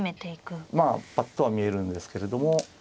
手がまあパッとは見えるんですけれども。